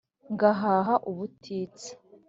ngahaha ubutitsa